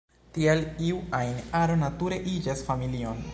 Tial iu ajn aro nature iĝas familion.